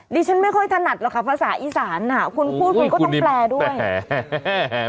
ดิฉันไม่ค่อยถนัดหรอกค่ะภาษาอีสานอ่ะคุณพูดคุณก็ต้องแปลด้วยแหม